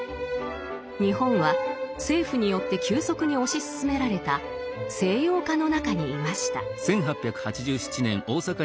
日本は政府によって急速に推し進められた西洋化の中にいました。